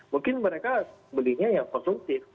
mungkin mereka belinya ya konsumtif